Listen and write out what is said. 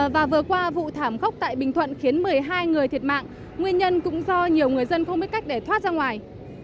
và vừa qua vụ thảm khốc tại bình thuận khiến một mươi hai người thiệt mạng nguyên nhân cũng do nhiều người dân không biết cách để thoát ra ngoài